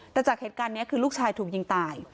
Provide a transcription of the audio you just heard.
แต่จากเหตุการณ์นี้คือลูกชายถูกยิงตาย